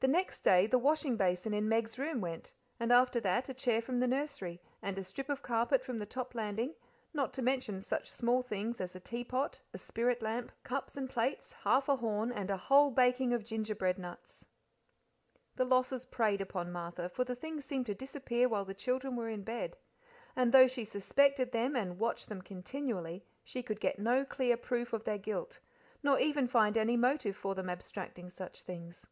The next day the washing basin in Meg's room went, and after that a chair from the nursery, and a strip of carpet from the top landing, not to mention such small things as a teapot, a spirit lamp, cups and plates, half a horn, and a whole baking of gingerbread nuts. The losses preyed upon Martha, for the things seemed to disappear while the children were in bed; and though she suspected them, and watched them continually, she could get no clear proof of their guilt, nor even find any motive for them abstracting such things.